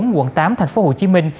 quận tám thành phố hồ chí minh